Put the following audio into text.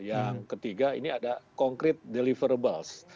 yang ketiga ini ada konkret deliverables